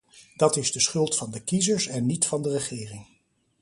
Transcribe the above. Dat is de schuld van de kiezers en niet van de regering.